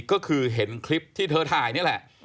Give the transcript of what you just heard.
ก็คือเห็นคลิปที่เธอถ่ายนี่แหละ